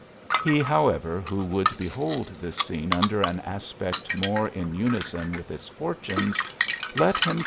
He, however^ who would behold this scene under an aspect more in unison with its fortunes, let him.